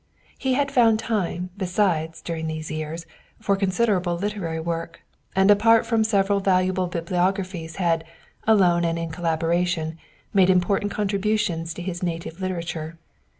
He had found time, besides, during these years, for considerable literary work; and apart from several valuable bibliographies had, alone and in collaboration, made important contributions to his native literature.